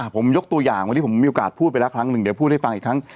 ผมมีโอกาสพูดไปละครั้งหนึ่งเดี๋ยวพูดให้ฟังอีกครั้ง